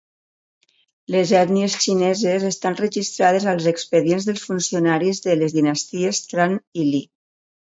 Les ètnies xineses estan registrades als expedients dels funcionaris de les dinasties Tran i Ly.